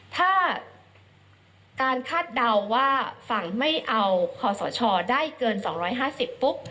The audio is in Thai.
ถ้าการคาดเดาว่าฝั่งไม่เอาคอสชได้เกิน๒๕๐ปุ๊บ